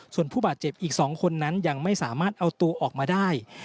ส่วนผู้บาดเจ็บอีก๒คนนั้นยังไม่สามารถเอาตัวออกมาได้